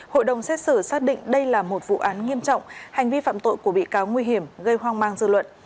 hội đồng xét xử xác định đây là một vụ án nghiêm trọng hành vi phạm tội của bị cáo nguy hiểm gây hoang mang dư luận